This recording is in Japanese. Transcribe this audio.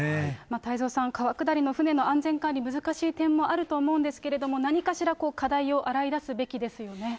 太蔵さん、川下りの舟の安全管理、難しい面もあると思うんですけれども、何かしら課題を洗い出すべきですよね。